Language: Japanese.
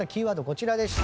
こちらでした。